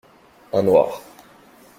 Un noir.